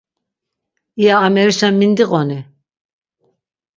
İya amerişen mindiqoni.